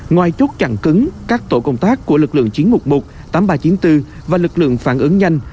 ngoài chốt chặn cứng các tổ công tác của lực lượng chín trăm một mươi một tám nghìn ba trăm chín mươi bốn và lực lượng phản ứng nhanh